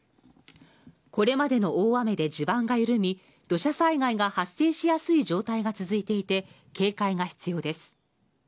これまでの大雨で地盤が緩み、土砂災害が発生しやすい状態が続いていて、警戒が必要です。